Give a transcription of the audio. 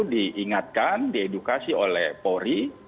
diingatkan diedukasi oleh ori